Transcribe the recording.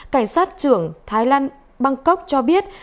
cảnh sát trưởng thái lan bangkok cho biết